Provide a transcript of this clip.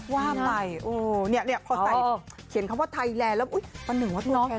ว่าไหมพอเขียนคำว่าไทยแล้วประหนึ่งว่าตัวแทนไทย